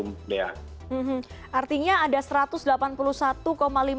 hmm artinya ada satu ratus delapan puluh satu lima juta ketersediaan vaksin